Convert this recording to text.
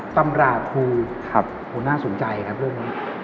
ตำราครูน่าสนใจครับเรื่องนี้